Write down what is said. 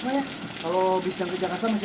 sudah tak boleh ke samo ulang jadinya